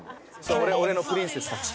俺のプリンセスたち。